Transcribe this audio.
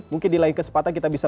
mungkin di lain kesempatan kita bisa